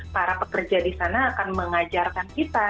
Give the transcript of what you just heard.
para pekerja di sana akan mengajarkan kita